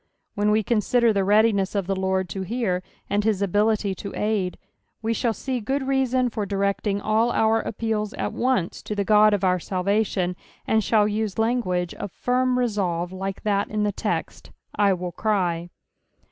When we consider the readiness of tbe Lord to hear, and his ability to aid, we shall see KOod reason for directing sU our appeals at once to the Ood of our salvation, and Bhall use language uf firm resolve like that in the text, " I will cry."